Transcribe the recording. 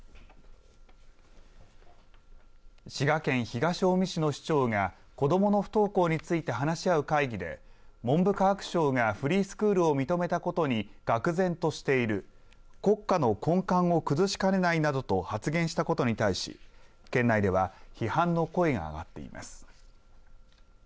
滋賀県東近江市の市長が子どもの不登校について話し合う会議で文部科学省がフリースクールを認めたことに愕然としている国家の根幹を崩しかねないなどと発言したことに対し県内では批判の声が上がっています。